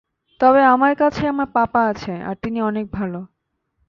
তবে আমার কাছে পাপা আছে আর তিনি অনেক ভালো।